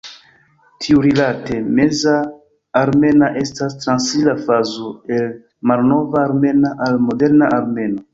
Tiurilate, Meza armena estas transira fazo el malnova armena al moderna armena.